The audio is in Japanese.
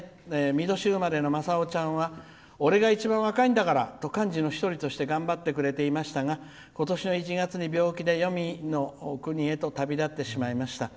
み年生まれのまさおちゃんは俺が一番若いんだからと幹事の一人として頑張ってくれていましたがことしの１月によみの国へ旅立ってしまいました。